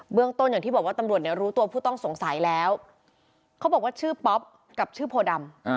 ต้นอย่างที่บอกว่าตำรวจเนี่ยรู้ตัวผู้ต้องสงสัยแล้วเขาบอกว่าชื่อป๊อปกับชื่อโพดำ